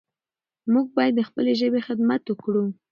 موږ باید د خپلې ژبې خدمت وکړو.